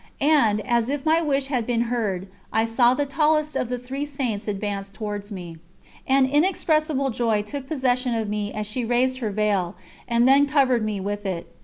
And, as if my wish had been heard, I saw the tallest of the three Saints advance towards me. An inexpressible joy took possession of me as she raised her veil, and then covered me with it.